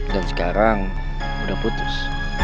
dan sekarang udah putus